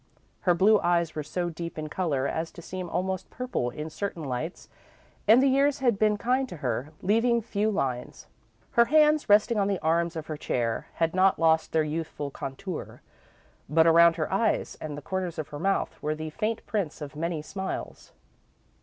Her blue eyes were so deep in colour as to seem almost purple in certain lights, and the years had been kind to her, leaving few lines. Her hands, resting on the arms of her chair, had not lost their youthful contour, but around her eyes and the corners of her mouth were the faint prints of many smiles.